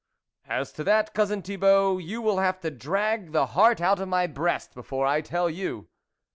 " As to that, Cousin Thibault, you will have to drag the heart out of my breast before I tell you."